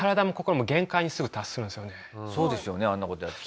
そうですよねあんな事やって。